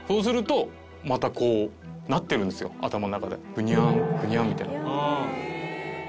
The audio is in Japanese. ぐにゃんぐにゃんみたいな。